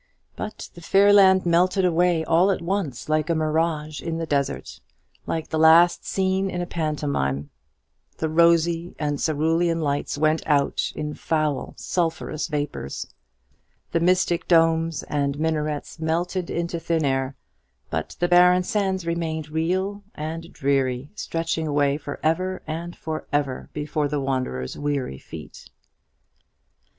But the fairy land melted away all at once, like a mirage in the desert; like the last scene in a pantomime, the rosy and cerulean lights went out in foul sulphurous vapours. The mystic domes and minarets melted into thin air; but the barren sands remained real and dreary, stretching away for ever and for ever before the wanderer's weary feet.